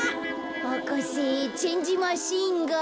博士チェンジマシンが。